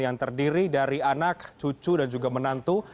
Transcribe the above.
yang terdiri dari anak cucu dan juga menantu